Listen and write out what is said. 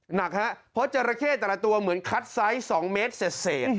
หนักฮะเพราะจราเข้แต่ละตัวเหมือนคัดไซส์๒เมตรเศษ